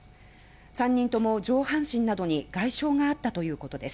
３人とも上半身などに外傷があったということです。